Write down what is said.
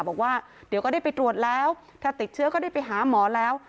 บอกว่าเดี๋ยวก็ได้ไปตรวจแล้วถ้าติดเชื้อก็ได้ไปหาหมอแล้ว